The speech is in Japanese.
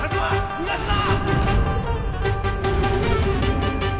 逃がすな！